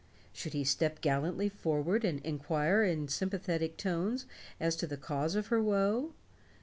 Should he step gallantly forward and inquire in sympathetic tones as to the cause of her woe?